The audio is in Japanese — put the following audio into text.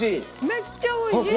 めっちゃ美味しい！